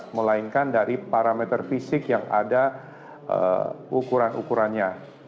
kami memastikan dari parameter fisik yang ada ukuran ukurannya